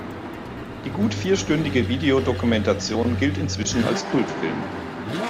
Die gut vierstündige Videodokumentation gilt inzwischen als Kultfilm.